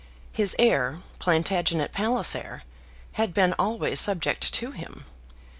His heir, Plantagenet Palliser, had been always subject to him.